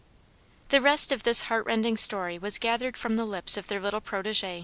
The rest of this heart rending story was gathered from the lips of their little protege.